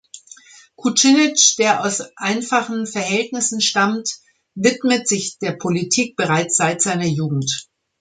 Kucinich, der aus einfachen Verhältnissen stammt, widmet sich der Politik bereits seit seiner Jugend.